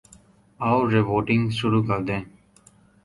اورہوٹنگ شروع کردیں۔